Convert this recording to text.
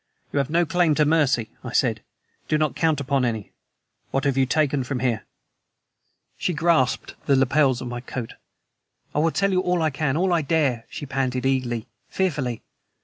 "You have no claim to mercy," I said. "Do not count upon any. What have you taken from here?" She grasped the lapels of my coat. "I will tell you all I can all I dare," she panted eagerly, fearfully.